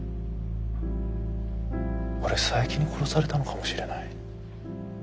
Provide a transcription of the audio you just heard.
俺佐伯に殺されたのかもしれない。